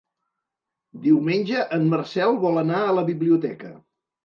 Diumenge en Marcel vol anar a la biblioteca.